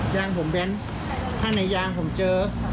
ยางผมแบ้นข้างในยางผมเจอ